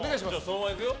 そのままいくよ。